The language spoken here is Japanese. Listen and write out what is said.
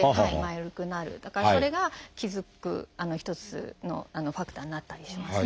だからそれが気付く一つのファクターになったりしますね。